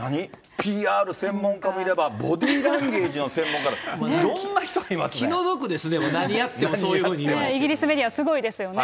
ＰＲ専門家もいれば、ボディーランゲージの専門家、いろんな人い気の毒ですね、何やってもそイギリスメディア、すごいですよね。